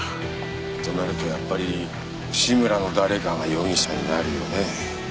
となるとやっぱり志むらの誰かが容疑者になるよね。